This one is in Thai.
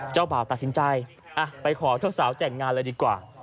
บ่าวตัดสินใจไปขอเจ้าสาวแต่งงานเลยดีกว่า